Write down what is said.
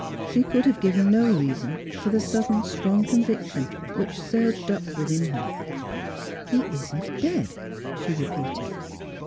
She could have given no reason for the sud den strong conviction which surged up within her. '^ He isn't dead," she repeated.